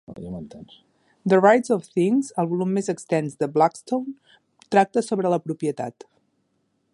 The Rights of Things, el volum més extens de Blackstone, tracta sobre la propietat.